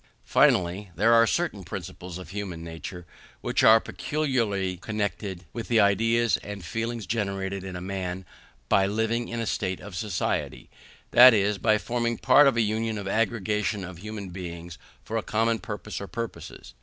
Finally, there are certain principles of human nature which are peculiarly connected with the ideas and feelings generated in man by living in a state of society, that is, by forming part of a union or aggregation of human beings for a common purpose or purposes.